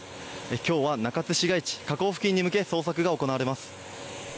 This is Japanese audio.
きょうは中津市街地河口付近に向けて捜索が行われます。